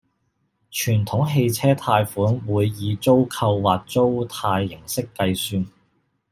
傳統汽車貸款會以租購或租貸形式計算